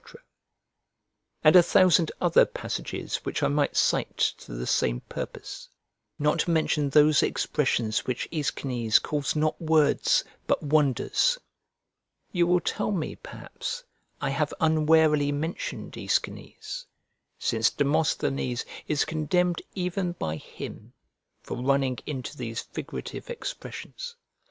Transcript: And a thousand other passages which I might cite to the same purpose; not to mention those expressions which Aeschines calls not words, but wonders. You will tell me, perhaps, I have unwarily mentioned Aeschines, since Demosthenes is condemned even by him, for running into these figurative expressions.